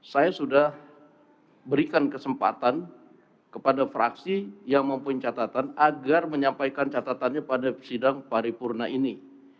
saya sudah berikan kesempatan kepada fraksi yang mempunyai catatan agar menyampaikan catatannya pada sidang paripurna ini